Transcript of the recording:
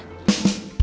saya harus mau baju itu